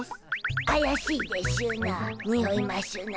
あやしいでしゅな。においましゅな。